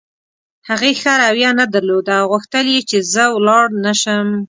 هغې ښه رویه نه درلوده او غوښتل یې چې زه ولاړ نه شم.